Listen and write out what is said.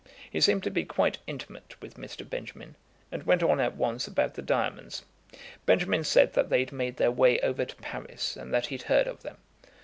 He seemed to be quite intimate with Mr. Benjamin, and went on at once about the diamonds. Benjamin said that they'd made their way over to Paris, and that he'd heard of them.